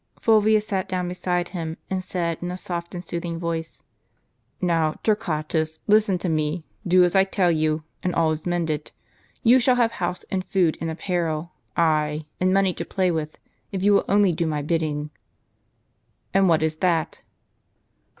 Fulvius sat down beside him, and said, in a soft and soothing voice, ^' Now, Torquatus, listen to me ; do as I tell you, and all is mended. You shall have house, and food, and apparel, ay, and money to play with, if you will only do my bidding." " And what is that